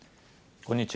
こんにちは。